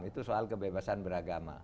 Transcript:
itu soal kebebasan beragama